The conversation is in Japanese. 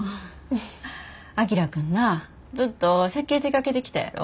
章君なずっと設計手がけてきたやろ？